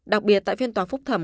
đặc biệt tại phiên tòa phúc thẩm